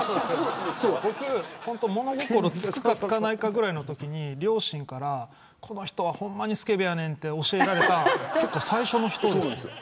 僕、物心つくかつかないかぐらいのときに両親から、この人はほんまにすけべやねんって教えられた最初の人です。